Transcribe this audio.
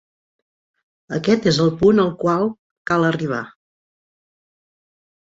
Aquest és el punt al qual cal arribar.